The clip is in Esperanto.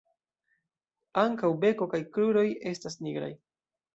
Ankaŭ beko kaj kruroj estas nigraj.